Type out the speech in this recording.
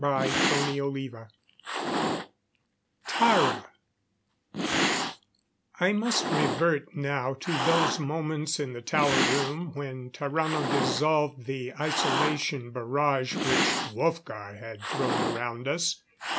CHAPTER XII Tara I must revert now to those moments in the tower room when Tarrano dissolved the isolation barrage which Wolfgar had thrown around us.